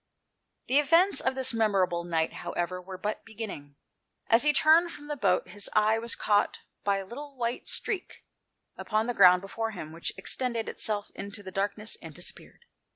The events of this memorable night, how ever, were but beginning. As he turned from the boat his eye was caught by a white streak upon the ground before him, which extended itself into the darkness and disappeared.